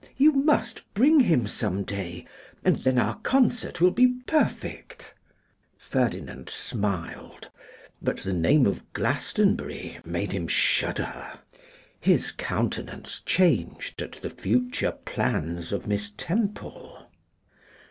'You must bring him some day, and then our concert will be perfect.' Ferdinand smiled, but the name of Glastonbury made him shudder. His countenance changed at the future plans of Miss Temple.